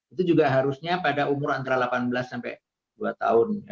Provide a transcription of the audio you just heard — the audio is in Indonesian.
itu juga harusnya pada umur antara delapan belas sampai dua tahun